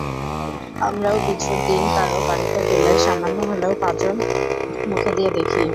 আমরাও বিঝুর দিন কারও বাড়িতে গেলে সামান্য হলেও পাজন মুখে দিয়ে দেখি।